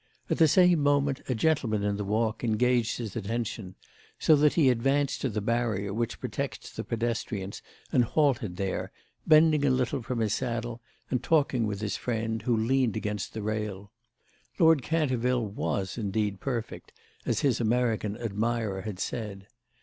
At the same moment a gentleman in the Walk engaged his attention, so that he advanced to the barrier which protects the pedestrians and halted there, bending a little from his saddle and talking with his friend, who leaned against the rail. Lord Canterville was indeed perfect, as his American admirer had said.